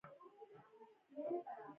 له دې درکه سلایم پرې ډېره ګټه لاسته راوړه.